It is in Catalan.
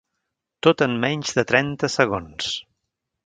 Tot en menys de trenta segons.